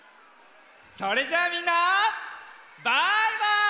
それじゃあみんなバイバイ！